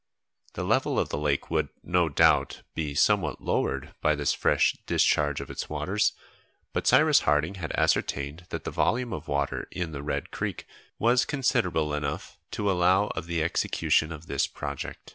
The level of the lake would, no doubt, be somewhat lowered by this fresh discharge of its waters, but Cyrus Harding had ascertained that the volume of water in the Red Creek was considerable enough to allow of the execution of this project.